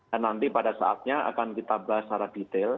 nanti pada saatnya akan kita bahas secara detail